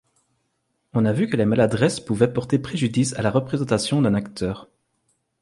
On a vu que les maladresses pouvaient porter préjudice à la représentation d’un acteur.